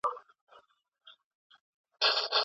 زه اوس له خپلې کورنۍ سره خبرې کوم.